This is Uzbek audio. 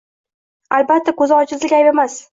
Albatta, ko’zi ojizlik ayb emas…